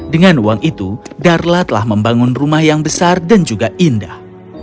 dengan uang itu darla telah membangun rumah yang besar dan juga indah